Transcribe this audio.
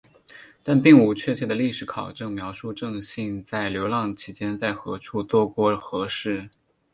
但并无确切的历史考证描述正信在流浪期间在何处做过何事。